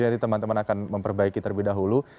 nanti teman teman akan memperbaiki terlebih dahulu